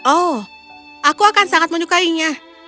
oh aku akan sangat menyukainya